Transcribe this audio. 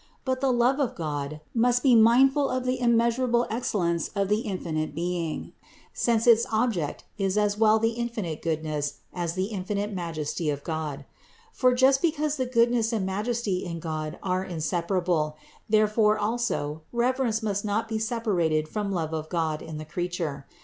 But the love of God must ever be mindful of the immeasurable excellence of the infinite Being, since its object is as well the infinite goodness as the infinite majesty of God: for just because the goodness and majesty in God are inseparable, there fore also reverence must not be separated from love of God in the creature.